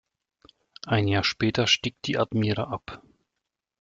Ein Jahr später stieg die Admira ab.